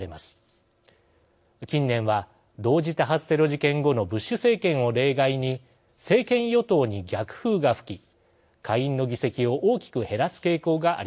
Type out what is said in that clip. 近年は同時多発テロ事件後のブッシュ政権を例外に政権与党に逆風が吹き下院の議席を大きく減らす傾向がありました。